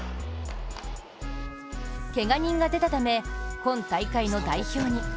けが人が出たため今大会の代表に。